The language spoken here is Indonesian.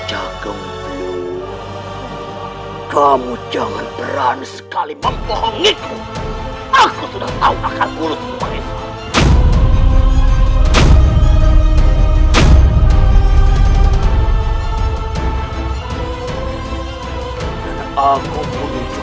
cemanti ini juga berusaha untuk membunuhku